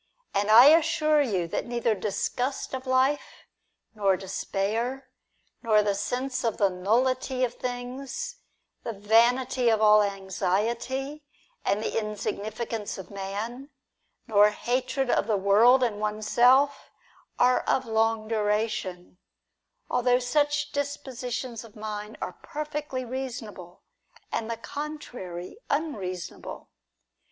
And I assure you that neither disgust of life, nor despair, nor the sense of the nullity of things, the vanity of all anxiety, and the insignificance of man, nor hatred of the world and oneself, are of long duration ; N 194 DIALOGUE BETWEEN although such dispositions of mind are perfectly reason able, and the contrary unreasonable.